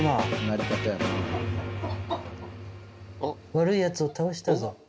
悪いやつを倒したぞ。